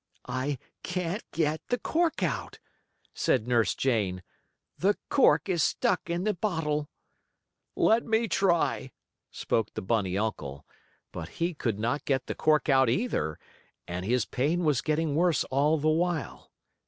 "I can't get the cork out," said Nurse Jane. "The cork is stuck in the bottle." "Let me try," spoke the bunny uncle. But he could not get the cork out, either, and his pain was getting worse all the while.